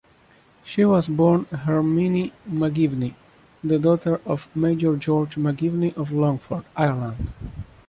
She was born Herminie McGibney, the daughter of Major George McGibney of Longford, Ireland.